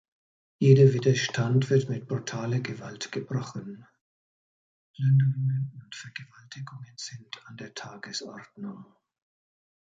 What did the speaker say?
Jeder Widerstand wird mit brutaler Gewalt gebrochen; Plünderungen und Vergewaltigungen sind an der Tagesordnung.